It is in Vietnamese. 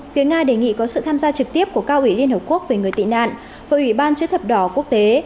phía nga đề nghị có sự tham gia trực tiếp của cao ủy liên hợp quốc về người tị nạn và ủy ban chữ thập đỏ quốc tế